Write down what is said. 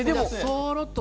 そろっと。